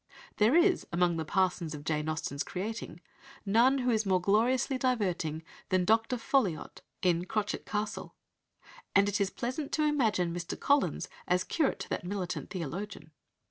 There is, among the parsons of Jane Austen's creating, none who is more gloriously diverting than Dr. Ffolliot in Crotchet Castle, and it is pleasant to imagine Mr. Collins as curate to that militant theologian.